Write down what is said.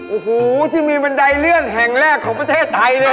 โอ้โหที่มีบันไดเลื่อนแห่งแรกของประเทศไทยเลย